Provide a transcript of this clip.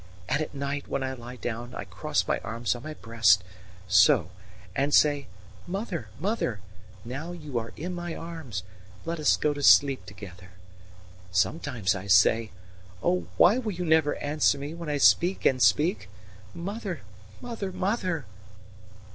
And at night when I lie down I cross my arms on my breast so, and say: 'Mother, mother, now you are in my arms; let us go to sleep together.' Sometimes I say: 'Oh, why will you never answer me when I speak and speak?' Mother mother mother!"